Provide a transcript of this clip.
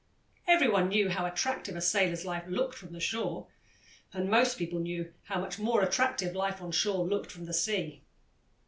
Every one knew how attractive a sailor's life looked from the shore, and most people knew how much more attractive life on shore looked from the sea.